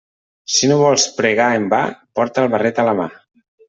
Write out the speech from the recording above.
Si no vols pregar en va, porta el barret a la mà.